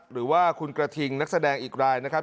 หรือว่าคุณกระทิงนักแสดงอีกรายนะครับ